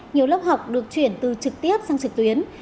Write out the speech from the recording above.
nhiều lớp học được chuyển từ trực tiếp sang trực tuyến